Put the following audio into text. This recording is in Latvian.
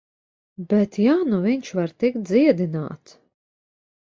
Bet ja nu viņš var tikt dziedināts...